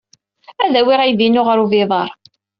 Ad awiɣ aydi-inu ɣer ubiḍar.